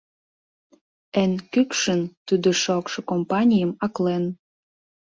Эн кӱкшын тудо шокшо компанийым аклен.